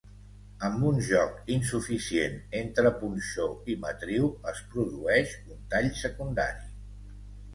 Amb un joc insuficient entre punxó i matriu, es produeix un tall secundari.